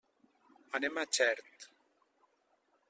Anem a Xert.